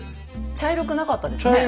茶色くなかったですね。